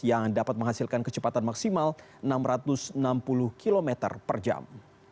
yang dapat menghasilkan kecepatan maksimal enam ratus enam puluh km per jam